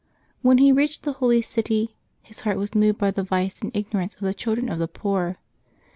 When he reached the Holy City, his heart was moved by the vice and ignorance of the children of the poor.